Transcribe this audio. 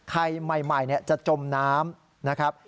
ใครใหม่จะจมน้ำนะครับ